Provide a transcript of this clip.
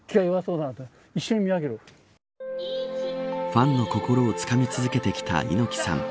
ファンの心をつかみ続けてきた猪木さん。